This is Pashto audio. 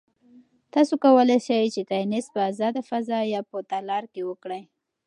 تاسو کولای شئ چې تېنس په ازاده فضا یا په تالار کې وکړئ.